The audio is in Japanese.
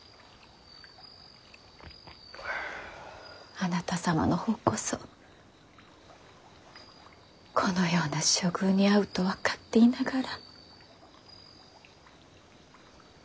あなた様の方こそこのような処遇に遭うと分かっていながら。